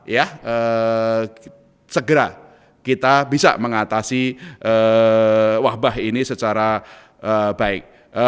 ya segera kita bisa mengatasi wabah ini secara baik